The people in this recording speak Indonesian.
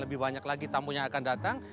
lebih banyak lagi tamu yang akan datang